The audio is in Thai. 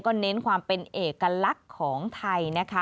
เน้นความเป็นเอกลักษณ์ของไทยนะคะ